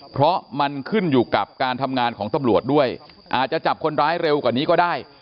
เพราะมันขึ้นอยู่กับการทำงานของตำรวจด้วยอาจจะจับคนร้ายเร็วกว่านี้ก็ได้